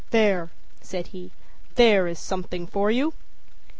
âThere,â said he, âthere is something for you.